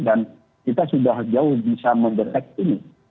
dan kita sudah jauh bisa mendeteksi